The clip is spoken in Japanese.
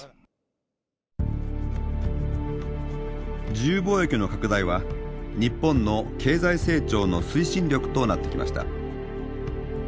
自由貿易の拡大は日本の経済成長の推進力となってきました。